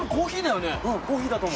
うんコーヒーだと思う。